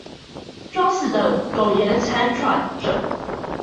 裝死的苟延慘喘著